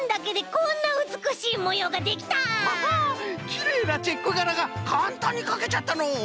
きれいなチェックがらがかんたんにかけちゃったのう！